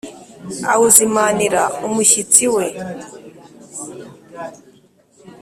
awuzimanira umushyitsi we.